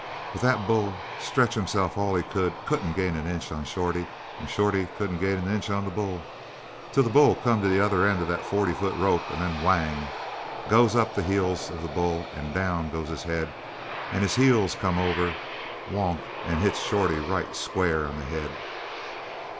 But that bull, stretch himself all he could, couldn't gain an inch on Shorty, and Shorty couldn't gain an inch on the bull, till the bull come to the other end of the forty foot rope, and then, whang! up goes the heels of the bull and down goes his head, and his heels comes over wonk! and hits Shorty right square on the head.